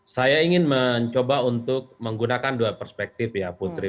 saya ingin mencoba untuk menggunakan dua perspektif ya putri